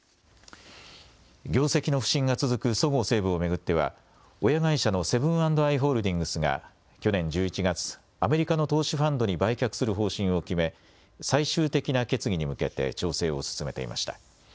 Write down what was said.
業績の不振が続くそごう・西武を巡っては、親会社のセブン＆アイ・ホールディングスが去年１１月、アメリカの投資ファンドに売却する方針を決め、最終的な決議に向けて調整を進めていました。